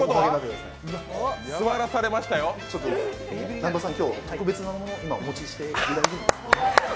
南波さん、今日特別なものお持ちして大丈夫ですか？